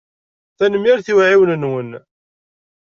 Tanemmirt i uɛiwen-nwen.